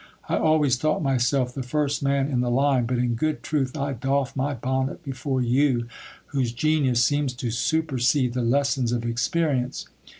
I always thought myself the first man in the line ; but in good truth I doff" my bonnet before you, whose genius seems to supersede the lessons of experience.